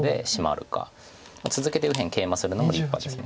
続けて右辺ケイマするのも立派です。